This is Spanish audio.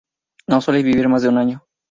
No suelen vivir más de un año.